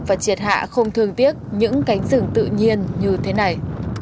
và triệt hạ không thương tiếc những cánh rừng tự nhiên như thế này